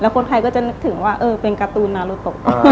คนไทยก็จะนึกถึงว่าเออเป็นการ์ตูนนารุโต